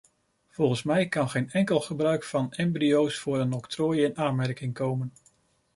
Volgens mij kan geen enkel gebruik van embryo's voor een octrooi in aanmerking komen.